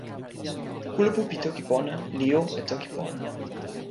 kulupu pi toki pona li jo e toki pona.